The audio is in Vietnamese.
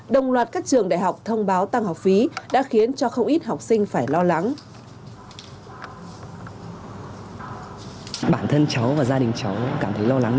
đồng loạt các trường đại học thông báo tăng học phí đã khiến cho không ít học sinh phải lo lắng